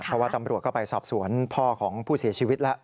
เพราะว่าตำรวจก็ไปสอบสวนพ่อของผู้เสียชีวิตแล้ว